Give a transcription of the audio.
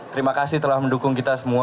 terima kasih telah mendukung kita semua